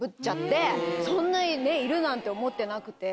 そんないるなんて思ってなくて。